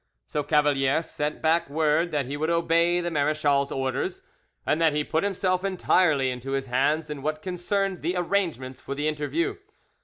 So Cavalier sent back word that he would obey the marechal's orders; and that he put himself entirely into his hands in what concerned the arrangements for the interview.